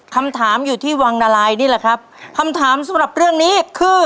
คำถามอยู่ที่วังนารายนี่แหละครับคำถามสำหรับเรื่องนี้คือ